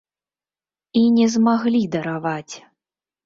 І не змаглі дараваць.